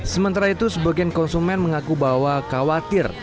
sementara itu sebagian konsumen mengaku bahwa khawatir